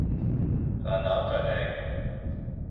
Planalto Alegre